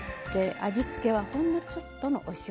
味付けはほんのちょっとのお塩だけです。